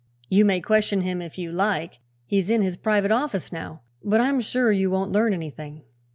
You may question him, if you like; he's in his private office now. But I'm sure you won't learn anything."